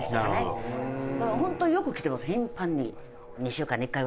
本当よく来てます頻繁に。